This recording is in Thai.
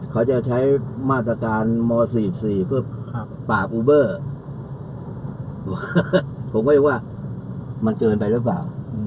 เขาจะใช้มาตรการม๔๔เพื่อป่าอูเบอร์ผมก็เลยว่ามันเกินไปหรือเปล่า